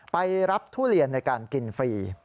ไปรับทุเรียนในการกินฟรี